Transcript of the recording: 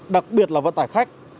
đặc biệt là vận tải khách